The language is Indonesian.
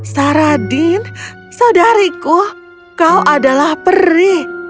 saradin saudariku kau adalah peri